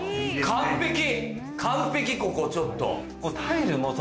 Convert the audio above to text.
完璧ここちょっと。